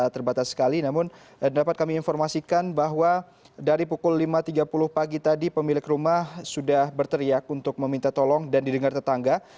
terbatas sekali namun dapat kami informasikan bahwa dari pukul lima tiga puluh pagi tadi pemilik rumah sudah berteriak untuk meminta tolong dan didengar tetangga